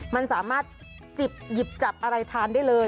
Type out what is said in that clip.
มันสามารถจิบหยิบจับอะไรทานได้เลย